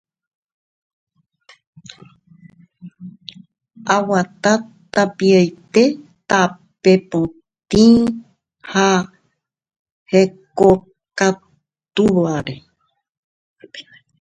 oguata tapiaite tape potĩ ha hekokatúvare